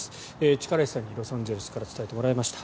力石さんにロサンゼルスから伝えてもらいました。